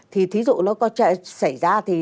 thì thí dụ nó có xảy ra thì